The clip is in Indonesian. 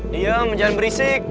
diam jangan berisik